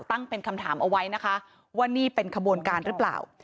ตั้งเป็นคำถามเอาไว้นะคะว่านี่เป็นขบวนการหรือเปล่า